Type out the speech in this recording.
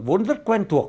vốn rất quen thuộc